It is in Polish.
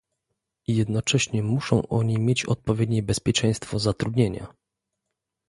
Jednocześnie muszą oni mieć odpowiednie bezpieczeństwo zatrudnienia